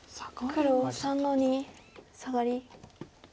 黒３の二サガリ。